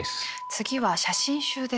次は写真集ですか。